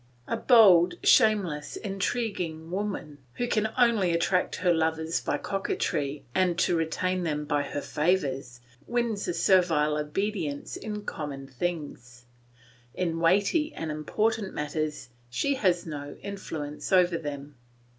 A bold, shameless, intriguing woman, who can only attract her lovers by coquetry and retain them by her favours, wins a servile obedience in common things; in weighty and important matters she has no influence over them.